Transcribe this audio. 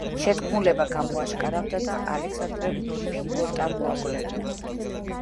შეთქმულება გამოაშკარავდა და ალექსანდრემ ფილოტა მოაკვლევინა.